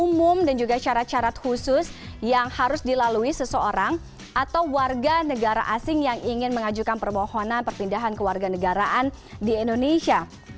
umum dan juga syarat syarat khusus yang harus dilalui seseorang atau warga negara asing yang ingin mengajukan permohonan perpindahan kewarganegaraan di indonesia